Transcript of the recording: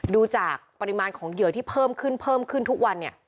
ดูจากปริมาณของเหยื่อที่เพิ่มขึ้นเพิ่มขึ้นทุกวันเนี่ย